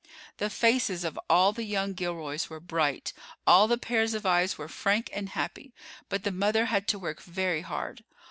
The faces of all the young Gilroys were bright, all the pairs of eyes were frank and happy; but the mother had to work very hard.